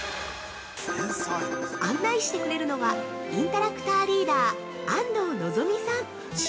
案内してくれるのはインタラクター・リーダー安藤望さん。